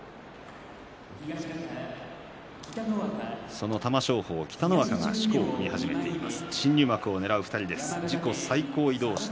その玉正鳳、北の若がしこを踏んでいます。